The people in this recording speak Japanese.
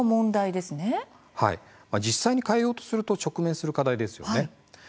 はい、実際に変えようとすると直面する課題ですよね。